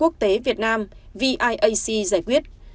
quốc tế việt nam viac giải quyết